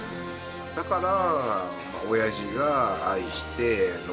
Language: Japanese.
だから。